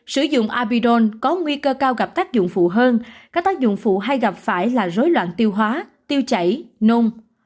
sử dụng abidon có nguy cơ cao gặp tác dụng phụ hơn các tác dụng phụ hay gặp phải là rối loạn tiêu hóa tiêu chảy nôm